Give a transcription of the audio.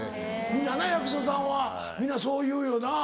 みんなな役者さんはみんなそう言うよな。